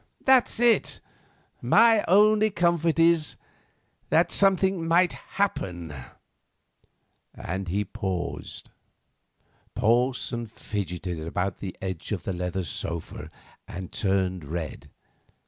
That's it. My only comfort is—that something might happen," and he paused. Porson fidgeted about on the edge of the leather sofa and turned red.